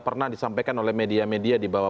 pernah disampaikan oleh media media di bawah